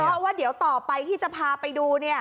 เพราะว่าเดี๋ยวต่อไปที่จะพาไปดู